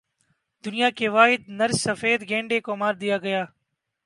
دنیا کے واحد نر سفید گینڈے کو مار دیا گیا